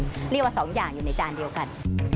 เรียกว่าสองอย่างอยู่ในจานเดียวกัน